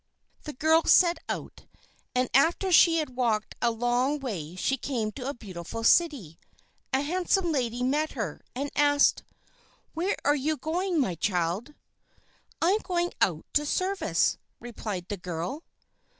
The girl set out, and after she had walked a long way she came to a beautiful city. A handsome lady met her, and asked: "Where are you going, my child?" "I am going out to service," replied the girl.